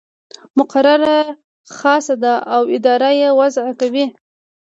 مقرره خاصه ده او اداره یې وضع کوي.